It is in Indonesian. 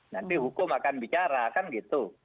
nanti hukum akan bicara kan gitu